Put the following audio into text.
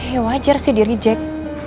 ya wajar sih diri cek